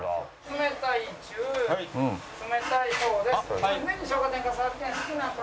冷たい中冷たい小です。